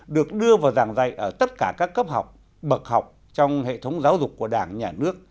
được đưa vào giảng dạy ở tất cả các cấp học bậc học trong hệ thống giáo dục của đảng nhà nước